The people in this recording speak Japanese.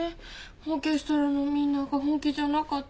オーケストラのみんなが本気じゃなかったこと。